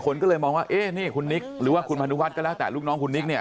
คนก็เลยมองว่าเอ๊ะนี่คุณนิกหรือว่าคุณพนุวัฒน์ก็แล้วแต่ลูกน้องคุณนิกเนี่ย